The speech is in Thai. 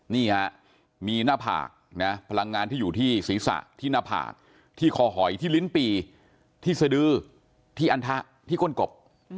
นี่ฮะมีหน้าผากนะพลังงานที่อยู่ที่ศีรษะที่หน้าผากที่คอหอยที่ลิ้นปีที่สดือที่อันทะที่ก้นกบ